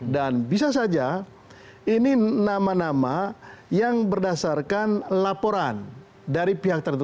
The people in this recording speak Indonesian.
dan bisa saja ini nama nama yang berdasarkan laporan dari pihak tertentu